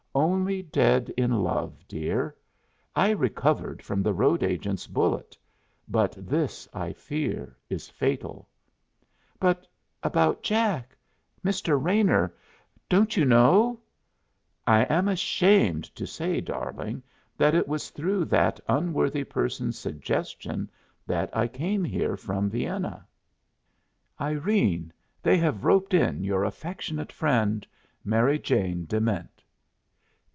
"Only dead in love, dear. I recovered from the road agent's bullet, but this, I fear, is fatal." "But about Jack Mr. Raynor? Don't you know " "I am ashamed to say, darling, that it was through that unworthy person's suggestion that I came here from Vienna." Irene, they have roped in your affectionate friend, MARY JANE DEMENT.